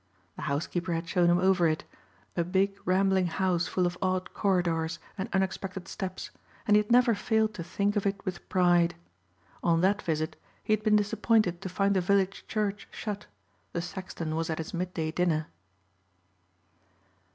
The housekeeper had shown him over it, a big rambling house full of odd corridors and unexpected steps and he had never failed to think of it with pride. On that visit he had been disappointed to find the village church shut; the sexton was at his midday dinner.